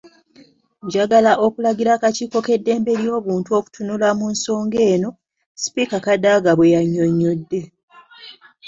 Njagala okulagira akakiiko k'eddembe ly'obuntu okutunula mu nsonga eno.” Sipiika Kadaga bwe yannyonnyodde.